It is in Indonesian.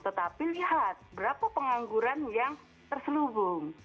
tetapi lihat berapa pengangguran yang terselubung